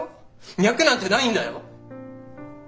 脈なんてないんだよ。